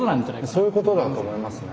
そういうことだと思いますね。